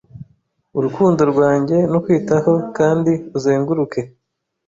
urukundo rwanjye no kwitaho Kandi uzenguruke